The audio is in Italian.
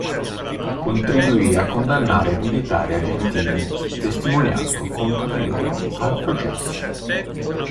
Contribuì a condannare militari argentini, testimoniando contro di loro al processo.